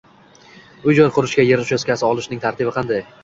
Uy-joy qurishga yer uchastkasi olishning tartibi qanday?